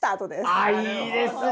ああいいですね。